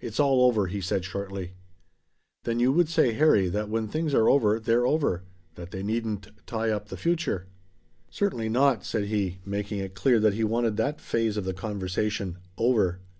"It's all over," he said shortly. "Then you would say, Harry, that when things are over they're over. That they needn't tie up the future." "Certainly not," said he, making it clear that he wanted that phase of the conversation "over."